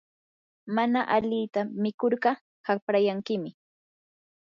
mana alita mikurqa haqrayankim.